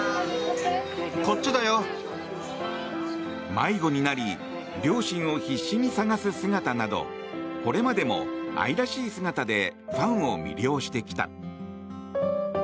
迷子になり両親を必死に捜す姿などこれまでも愛らしい姿でファンを魅了してきた。